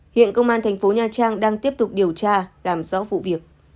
hiện công an tp nha trang đang tiếp tục điều tra làm rõ vụ việc